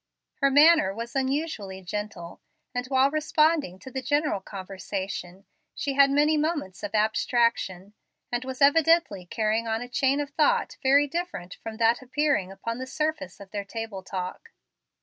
Her manner was unusually gentle, and while responding to the general conversation she had many moments of abstraction, and was evidently carrying on a chain of thought very different from that appearing upon the surface of their table talk.